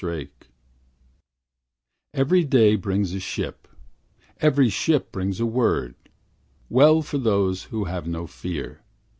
LETTERS Every day brings a ship, Every ship brings a word; Well for those who have no fear.